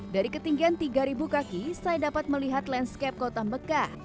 dari ketinggian tiga kaki saya dapat melihat landscape kota mekah